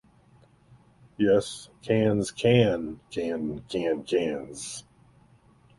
Yes, cans can can canned cans.